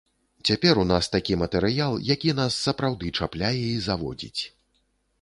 Цяпер у нас такі матэрыял, які нас сапраўды чапляе і заводзіць.